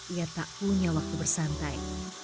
ia tak punya waktu bersantai